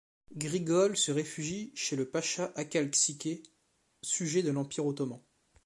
Grigol se réfugie chez le pacha Akhaltsikhé sujet de l'Empire ottoman.